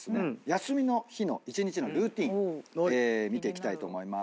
休みの日の一日のルーティン見ていきたいと思いまーす。